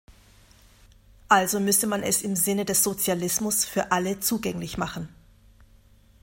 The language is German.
Also müsse man es im Sinne des Sozialismus für alle zugänglich machen.